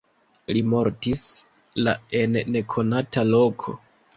Li mortis la en nekonata loko.